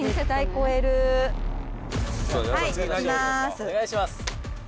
「お願いします」